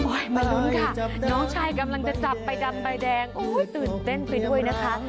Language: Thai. มาลุ้นค่ะน้องชายกำลังจะจับใบดำใบแดงโอ้ยตื่นเต้นไปด้วยนะคะ